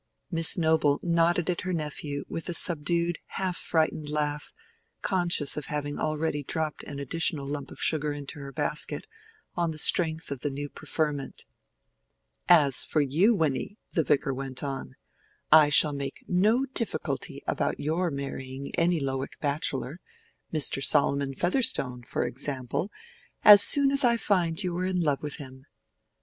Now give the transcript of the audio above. Miss Noble nodded at her nephew with a subdued half frightened laugh, conscious of having already dropped an additional lump of sugar into her basket on the strength of the new preferment. "As for you, Winny"—the Vicar went on—"I shall make no difficulty about your marrying any Lowick bachelor—Mr. Solomon Featherstone, for example, as soon as I find you are in love with him."